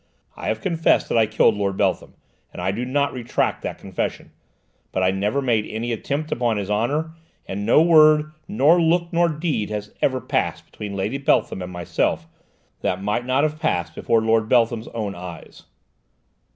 I have confessed that I killed Lord Beltham, and I do not retract that confession, but I never made any attempt upon his honour, and no word, nor look, nor deed has ever passed between Lady Beltham and myself, that might not have passed before Lord Beltham's own eyes."